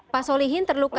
pak solihin terluka